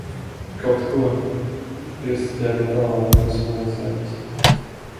Kaut ko, piestiķēju no talona un esmu aizēdis.